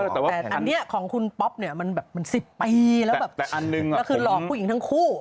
แต่อันนี้ของคุณป๊อปเนี่ยมันแบบมัน๑๐ปีแล้วแบบแล้วคือหลอกผู้หญิงทั้งคู่